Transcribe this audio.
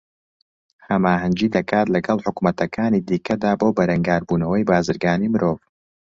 ھەماھەنگی دەکات لەگەڵ حوکمەتەکانی دیکەدا بۆ بەرەنگاربوونەوەی بازرگانیی مرۆڤ